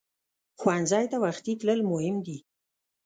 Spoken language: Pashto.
ښوونځی ته وختي تلل مهم دي